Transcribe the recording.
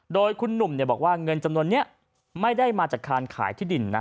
โดยคุณหนุ่มบอกว่าเงินจำนวนนี้ไม่ได้มาจากการขายที่ดินนะ